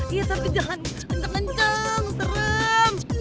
iya tapi jangan kenceng kenceng serem